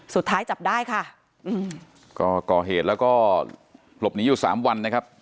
สุดท้ายจับได้ค่ะอืมก็ก่อเหตุแล้วก็หลบหนีอยู่สามวันนะครับ